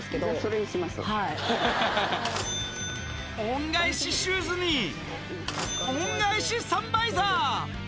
恩返しシューズに恩返しサンバイザー